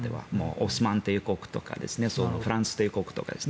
オスマン帝国とかフランス帝国とか。